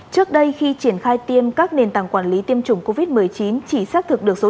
trước đây khi triển khai tiêm các nền tảng quản lý tiêm chủng covid một mươi chín chỉ xác thực được số